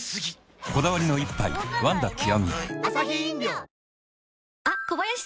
こだわりの一杯「ワンダ極」